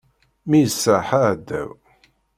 Mi yesraḥ aɛdaw.